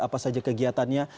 apa saja kegiatannya